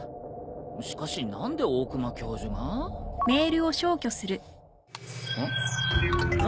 しかし何で大隈教授が？ん？あ？